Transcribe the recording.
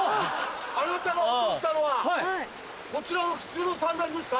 あなたが落としたのはこちらの普通のサンダルですか？